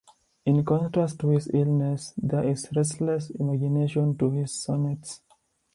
In contrast to his illness, there is a restless imagination to his sonnets.